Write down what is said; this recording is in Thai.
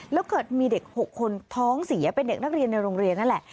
แล้วเกิดมีเด็ก๖คนท้องเสียเป็นเด็กนักเรียนในโรงเรียนนั่นแหละ